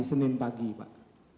senin pagi pak